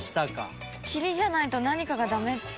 霧じゃないと何かが駄目。